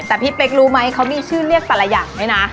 แต่พี่เป๊กรู้ไหมเขามีชื่อเรียกแต่ละอย่างด้วยนะ